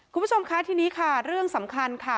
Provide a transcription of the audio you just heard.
คุณผู้ชมคะทีนี้ค่ะเรื่องสำคัญค่ะ